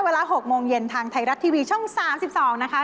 เวลา๖โมงเย็นทางไทยรัฐทีวีช่อง๓๒นะคะ